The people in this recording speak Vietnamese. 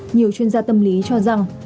nhiều chuyên gia tâm lý cho rằng